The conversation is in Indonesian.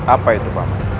apa itu bapak